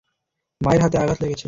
মায়ের হাতে আঘাত লেগেছে!